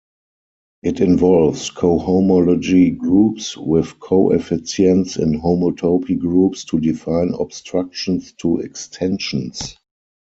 It involves cohomology groups with coefficients in homotopy groups to define obstructions to extensions.